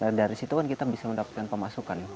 dan dari situ kan kita bisa mendapatkan pemasukan